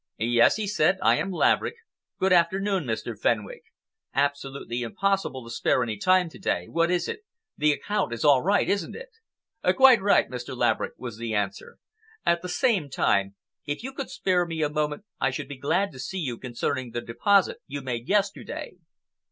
"Yes," he said, "I am Laverick. Good afternoon, Mr. Fenwick! Absolutely impossible to spare any time to day. What is it? The account is all right, isn't it?" "Quite right, Mr. Laverick," was the answer. "At the same time, if you could spare me a moment I should be glad to see you concerning the deposit you made yesterday."